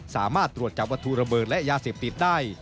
สามารถตรวจจับวัตถุระเบิดและยาเสพติดได้